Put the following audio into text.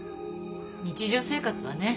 日常生活はね